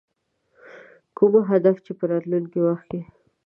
کوم اهداف چې په راتلونکي وخت کې.